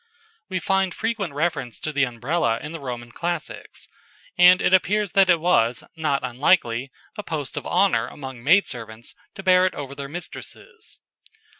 We find frequent reference to the Umbrella in the Roman Classics, and it appears that it was, not unlikely, a post of honour among maid servants to bear it over their mistresses.